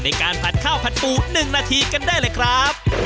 ในการผัดข้าวผัดปู๑นาทีกันได้เลยครับ